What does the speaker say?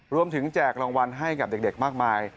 รวมถึงแจกรองวัลให้กับเด็กมากมาย